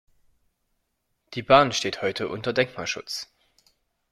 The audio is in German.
Die Bahn steht heute unter Denkmalschutz.